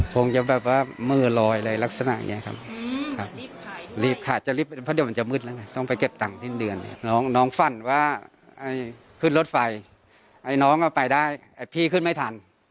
ผมจะแบบว่ามือลอยอะไรลักษณะอย่างเงี้ยครับ